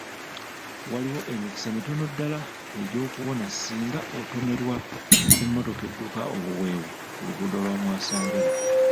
Waliwo emikisa mitono ddaala egy'okuwona singa otomerwa emmotoka edduka obuweewo ku luguudo lwa mwasanjala.